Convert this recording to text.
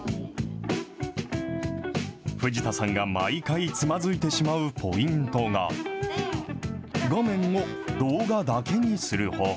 藤田さんが毎回つまずいてしまうポイントが、画面を動画だけにする方法。